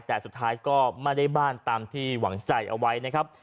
แต่สุดท้ายก็ไม่ได้บ้านตามที่หวังใจเอาไว้นะครับ